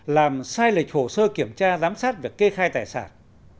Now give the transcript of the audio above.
làm sai lệch hồ sơ kiểm tra giám sát việc kê khai tài sản